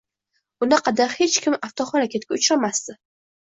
Unaqada hech kim avtohalokatga uchramasdi